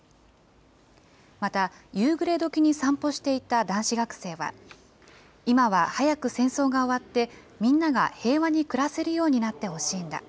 また、夕暮れどきに散歩していた男子学生は、今は早く戦争が終わって、みんなが平和に暮らせるようになってほしいんだ。